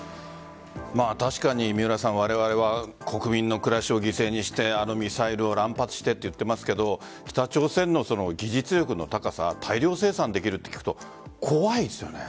確かにわれわれは国民の暮らしを犠牲にしてミサイルを乱発してと言っていますが北朝鮮の技術力の高さ大量生産できると聞くと怖いですよね。